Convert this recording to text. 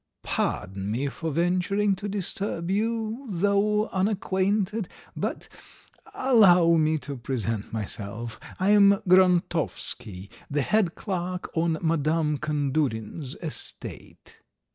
Pardon me for venturing to disturb you, though unacquainted, but ... allow me to present myself. I am Grontovsky, the head clerk on Madame Kandurin's estate."